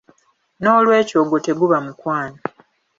Noolwekyo ogwo teguba mukwano.